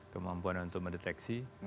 kemampuan untuk mendeteksi